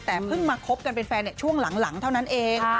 แต่เพิ่งมาคบกันเป็นแฟนช่วงหลังเท่านั้นเอง